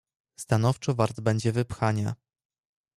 "Stanowczo wart będzie wypchania."